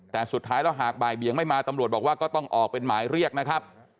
แต่สุดท้ายแล้วหากบ่ายเบียงไม่มาตำรวจบอกว่าก็ต้องออกเป็นหมายเรียกนะครับ